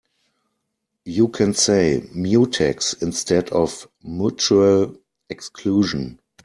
You can say mutex instead of mutual exclusion.